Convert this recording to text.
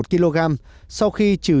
một kg sau khi trừ